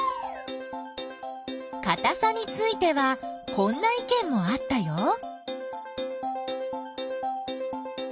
かたさについてはこんないけんもあったよ。